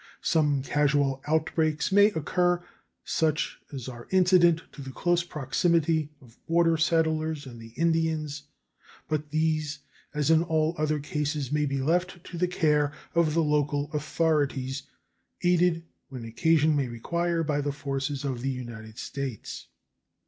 Some casual outbreaks may occur, such as are incident to the close proximity of border settlers and the Indians, but these, as in all other cases, may be left to the care of the local authorities, aided when occasion may require by the forces of the United States.